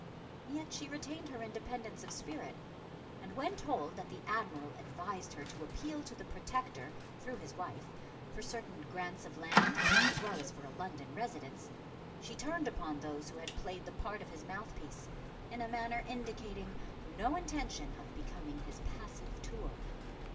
Yet she retained her independence of spirit, and when told that the Admiral advised her to appeal to the Protector through his wife for certain grants of land, as well as for a London residence, she turned upon those who had played the part of his mouthpiece in a manner indicating no intention of becoming his passive tool.